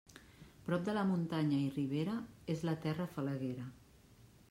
Prop de la muntanya i ribera, és la terra falaguera.